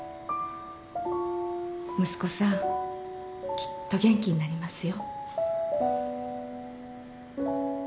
息子さんきっと元気になりますよ。